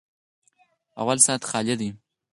_اول سات خالي دی.